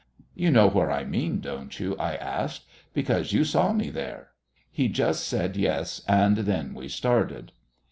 "You know where I mean, don't you?" I asked, "because you saw me there?" He just said yes, and then we started.